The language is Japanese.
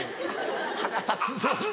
腹立つぞ。